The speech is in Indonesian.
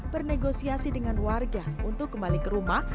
bernegosiasi dengan warga untuk kembali ke rumah